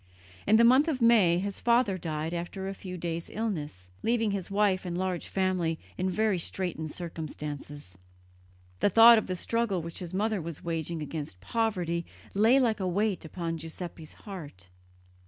In the month of May his father died after a few days' illness, leaving his wife and large family in very straitened circumstances. The thought of the struggle which his mother was waging against poverty lay like a weight upon Giuseppe's heart.